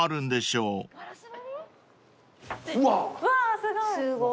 うわすごい。